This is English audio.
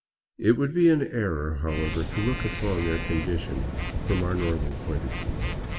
It would be an error, however, to look upon their condition from our northern point of view.